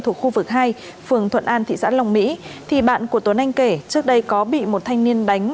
thuộc khu vực hai phường thuận an thị xã long mỹ thì bạn của tuấn anh kể trước đây có bị một thanh niên đánh